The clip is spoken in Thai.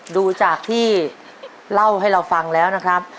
ดูจากที่เล่าให้เราฟังแล้วนะครับ